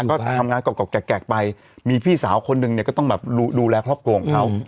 ก็ทำงานกรอกแกกไปมีพี่สาวคนหนึ่งเนี่ยก็ต้องแบบดูแลครอบครัวของเขา